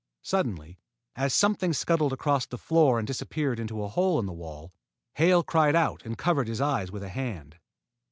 Suddenly, as something scuttled across the floor and disappeared into a hole in the wall, Hale cried out and covered his eyes with a hand.